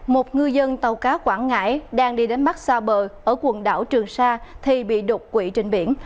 một ngư dân tàu cá quảng ngãi đang đi đến mắt xa bờ ở quần đảo trường sa thì bị đột quỷ trên biển